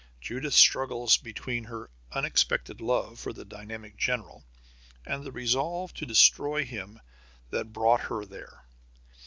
Judith struggles between her unexpected love for the dynamic general and the resolve to destroy him that brought her there.